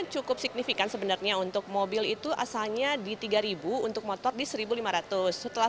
cukup signifikan sebenarnya untuk mobil itu asalnya di tiga ribu untuk motor di seribu lima ratus setelah